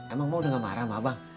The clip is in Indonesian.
emang mau udah gak marah sama abang